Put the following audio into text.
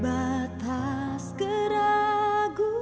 mama juga tidur